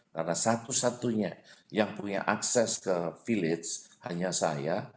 karena satu satunya yang punya akses ke village hanya saya